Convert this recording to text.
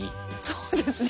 そうですね。